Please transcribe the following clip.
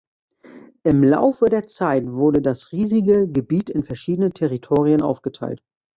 Im Laufe der Zeit wurde das riesige Gebiet in verschiedene Territorien aufgeteilt.